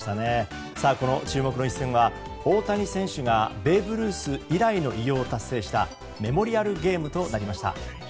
この注目の一戦は大谷選手がベーブ・ルース以来の偉業を達成したメモリアルゲームとなりました。